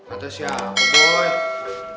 atau siapa boy